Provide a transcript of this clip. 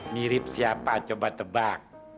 mirip siapa coba tebak